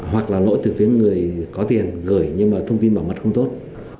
hoặc là lỗi từ phía người có tiền gửi nhưng mà thông tin bảo mật không tốt